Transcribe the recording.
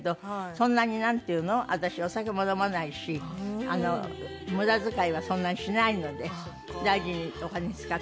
そんなになんていうの私お酒も飲まないし無駄遣いはそんなにしないので大事にお金使ってます。